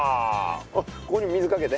おっここにも水かけて。